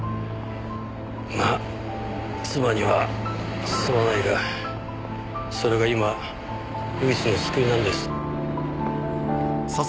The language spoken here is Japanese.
まあ妻にはすまないがそれが今唯一の救いなんです。